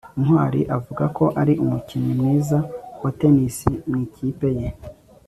ntwali avuga ko ari umukinnyi mwiza wa tennis mu ikipe ye